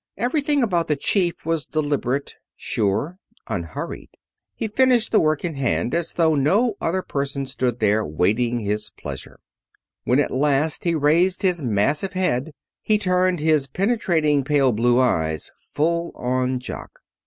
Everything about the chief was deliberate, sure, unhurried. He finished the work in hand as though no other person stood there waiting his pleasure. When at last he raised his massive head he turned his penetrating pale blue eyes full on Jock.